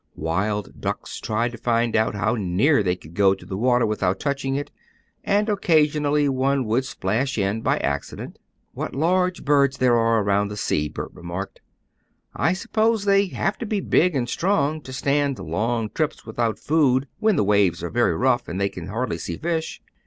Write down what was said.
Wild ducks tried to find out how near they could go to the water without touching it, and occasionally one would splash in, by accident. "What large birds there are around the sea," Bert remarked. "I suppose they have to be big and strong to stand long trips without food when the waves are very rough and they can hardly see fish."